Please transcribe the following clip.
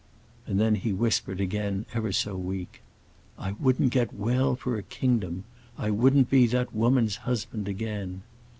And then he whispered again, ever so weak; 'I wouldn't get well for a kingdom. I wouldn't be that woman's husband again.